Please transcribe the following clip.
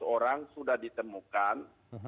tiga belas orang sudah ditemukan